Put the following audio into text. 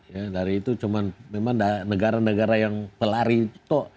ya dari itu cuma memang negara negara yang pelari tok